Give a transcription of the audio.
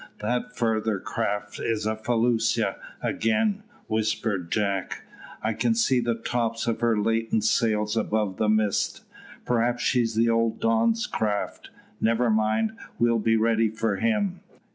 "That further craft is a felucca," again whispered Jack. "I can see the tops of her lateen sails above the mist. Perhaps she's the old Don's craft. Never mind, we'll be ready for him."